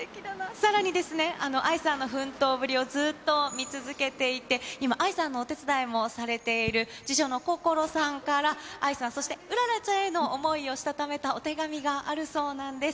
さらにですね、愛さんの奮闘ぶりをずっと見続けていて、今、愛さんのお手伝いもされている次女の心さんから、愛さん、そして麗ちゃんへの想いをしたためたお手紙があるそうなんです。